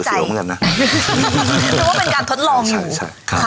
ใช่